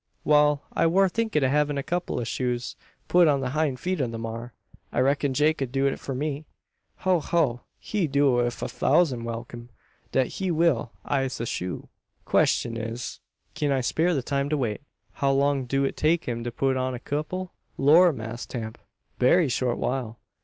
"Wal; I war thinkin' o' havin' a kupple o' shoes put on the hind feet o' the maar. I reck'n Jake ud do it for me." "Ho! ho! he do it wif a thousan' welkim dat he will, I'se shoo." "Questyun is, kin I spare the time to wait. How long do it take him to put on a kupple?" "Lor, Mass Tamp, berry short while.